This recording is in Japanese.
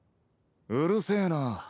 うるせえな。